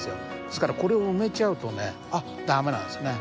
ですからこれを埋めちゃうとね駄目なんですよね。